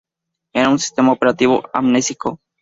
Es un sistema operativo amnésico